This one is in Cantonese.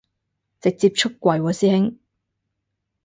直接出櫃喎師兄